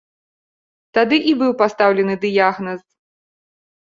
Тады і быў пастаўлены дыягназ.